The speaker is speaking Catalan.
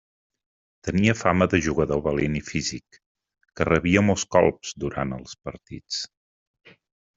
Tenia fama de jugador valent i físic, que rebia molts colps durant els partits.